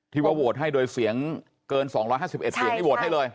ว่าโหวตให้โดยเสียงเกิน๒๕๑เสียงนี่โหวตให้เลย